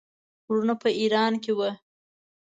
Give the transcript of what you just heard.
وروڼه په ایران کې وه.